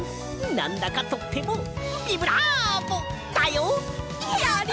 なんだかとってもビブラーボ！だよ！やった！